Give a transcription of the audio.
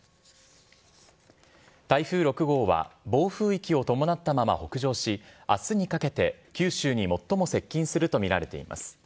台風６号は暴風域を伴ったまま北上し、あすにかけて、九州に最も接近すると見られています。